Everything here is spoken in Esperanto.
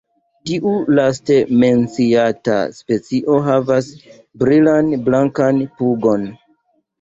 Tiu laste menciata specio havas brilan blankan pugon.